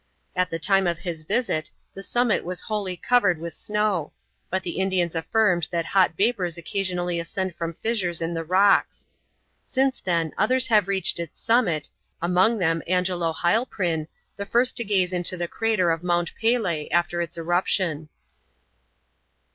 At the time of his visit the summit was wholly covered with snow, but the Indians affirmed that hot vapors occasionally ascend from fissures in the rocks. Since then others have reached its summit, among them Angelo Heilprin, the first to gaze into the crater of Mont Pelee after its eruption.